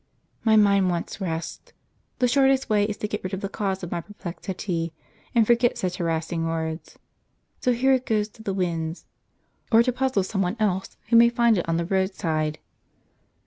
My mind wants rest. The shortest way is to get rid of the cause of my perplexity, and forget such harassing words. So here it goes to the winds, or to puzzle some one else, who may find it on the road side.